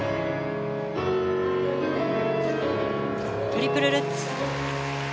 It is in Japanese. トリプルルッツ。